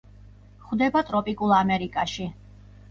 გვხვდება ტროპიკულ ამერიკაში.